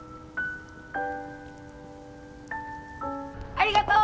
ありがとう！